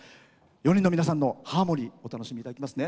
４人の皆さんのハーモニーお楽しみいただきますね。